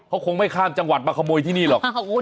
เขาคงไม่ข้ามจังหวัดมาขโมยที่นี่หรอก